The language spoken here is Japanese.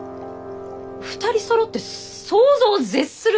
２人そろって想像を絶するバカ！